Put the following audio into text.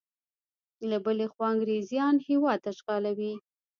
له بلې خوا انګریزیان هیواد اشغالوي.